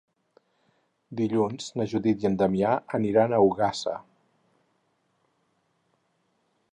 Dilluns na Judit i en Damià aniran a Ogassa.